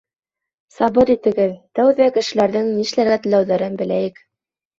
Сабыр итегеҙ: тәүҙә кешеләрҙең нишләргә теләүҙәрен беләйек.